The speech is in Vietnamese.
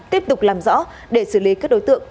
tiếp tục làm rõ để xử lý các đối tượng